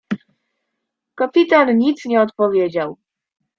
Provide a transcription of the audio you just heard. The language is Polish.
"Kapitan nic nie odpowiedział."